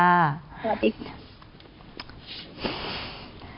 สวัสดีค่ะ